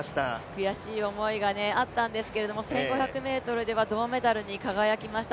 悔しい思いがあったんですけれども、１５００ｍでは銅メダルに輝きました。